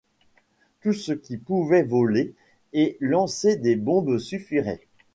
Tout ce qui pouvait voler et lancer des bombes suffirait.